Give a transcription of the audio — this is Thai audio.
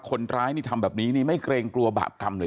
คนร้ายนี่ทำแบบนี้นี่ไม่เกรงกลัวบาปกรรมเลย